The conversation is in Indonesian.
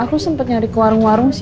aku sempet nyari ke warung warung